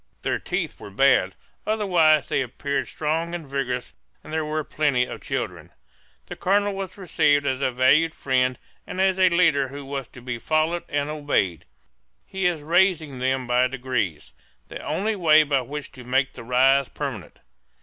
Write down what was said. Their teeth were bad; otherwise they appeared strong and vigorous, and there were plenty of children. The colonel was received as a valued friend and as a leader who was to be followed and obeyed. He is raising them by degrees the only way by which to make the rise permanent.